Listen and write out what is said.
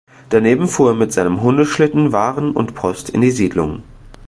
Daneben fuhr er mit seinem Hundeschlitten Waren und Post in die Siedlungen.